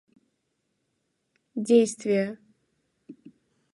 действия